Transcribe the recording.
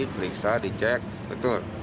teriksa dicek betul